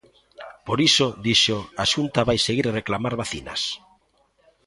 Por iso, dixo, a Xunta vai seguir "a reclamar" vacinas.